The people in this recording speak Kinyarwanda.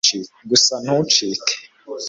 gusa ntucike